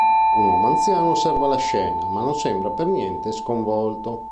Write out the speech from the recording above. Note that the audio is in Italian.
Un uomo anziano, osserva la scena, ma non sembra per niente sconvolto.